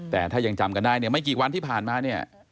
แต่ถ้ายังจำกันได้เนี่ยไม่กี่วันที่ผ่านมาเนี่ย